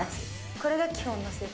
これが基本のステップ。